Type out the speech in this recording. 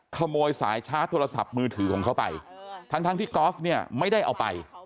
ขโมยสายชาร์จโทรศัพท์มือถือของเขาไปทั้งทั้งที่กอล์ฟเนี่ยไม่ได้เอาไป